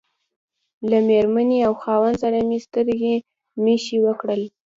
له مېرمنې او خاوند سره مې ستړي مشي وکړل.